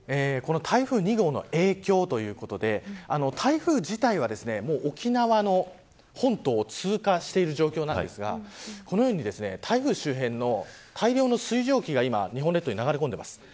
この台風２号の影響ということで台風自体は沖縄の本島を通過している状況なんですが台風周辺の大量の水蒸気が日本列島に流れ込んでいます。